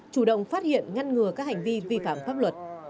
chủ động phát hiện ngăn ngừa các hành vi vi phạm pháp luật